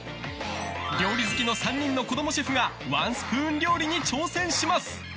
料理好きの３人の子供シェフがワンスプーン料理に挑戦します。